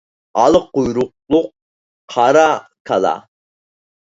ئالا قۇيرۇقلۇق قارا كالا.